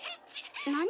何？